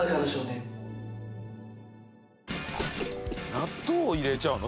納豆を入れちゃうの？